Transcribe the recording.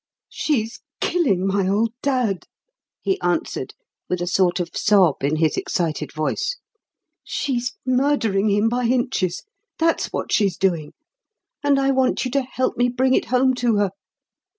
"She's killing my old dad!" he answered, with a sort of sob in his excited voice. "She's murdering him by inches, that's what she's doing, and I want you to help me bring it home to her.